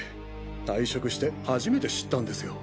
退職して初めて知ったんですよ。